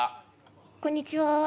こんにちは。